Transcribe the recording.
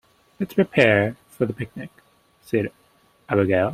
"Let's prepare for the picnic!", said Abigail.